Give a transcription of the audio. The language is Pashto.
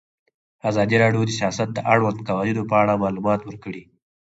ازادي راډیو د سیاست د اړونده قوانینو په اړه معلومات ورکړي.